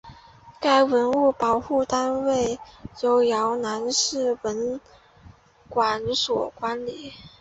该文物保护单位由洮南市文管所管理。